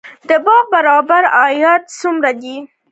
د باغ بابر عاید څومره دی؟